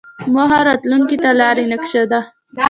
موخه راتلونکې ته د لارې نقشه ده.